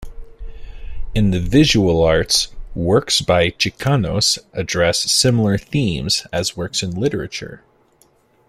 In the visual arts, works by Chicanos address similar themes as works in literature.